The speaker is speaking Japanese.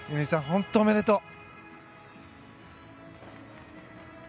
本当におめでとう。